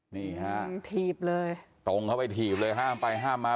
นี่ฮะถีบเลยตรงเข้าไปถีบเลยห้ามไปห้ามมา